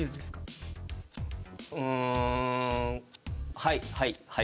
うんはいはいはい。